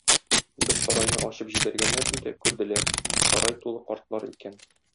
Бер сарайны ачып җибәргәннәр иде, күрделәр: сарай тулы картлар икән.